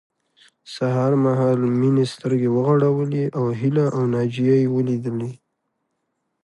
سهار مهال مينې سترګې وغړولې او هيله او ناجيه يې وليدلې